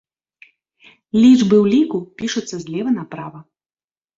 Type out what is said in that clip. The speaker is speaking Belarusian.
Лічбы ў ліку пішуцца злева направа.